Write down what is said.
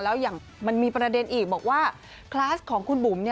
แล้วอย่างมันมีประเด็นอีกบอกว่าคลาสของคุณบุ๋ม